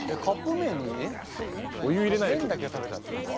麺だけを食べたっていうのは？